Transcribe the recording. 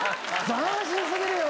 斬新過ぎるよ！